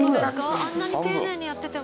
あんなに丁寧にやってても？